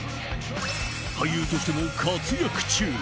俳優としても活躍中。